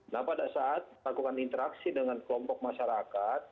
nah pada saat lakukan interaksi dengan kelompok masyarakat